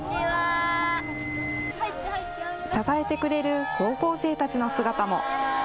支えてくれる高校生たちの姿も。